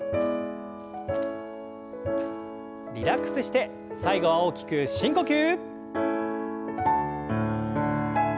リラックスして最後は大きく深呼吸。